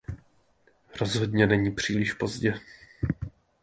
Rozhodně není příliš pozdě.